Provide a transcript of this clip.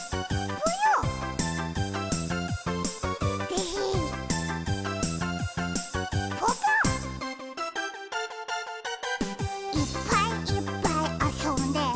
ぽぽ「いっぱいいっぱいあそんで」